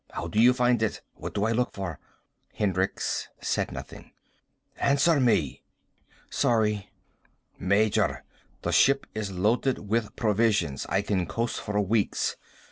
How do I find it? What do I look for?" Hendricks said nothing. "Answer me!" "Sorry." "Major, the ship is loaded with provisions. I can coast for weeks.